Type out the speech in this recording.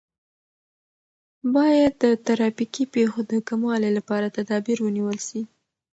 باید د ترافیکي پیښو د کموالي لپاره تدابیر ونیول سي.